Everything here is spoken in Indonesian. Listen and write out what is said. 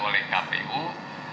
dan kita berharap